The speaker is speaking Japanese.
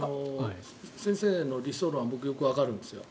先生の理想論は僕、よくわかるんです。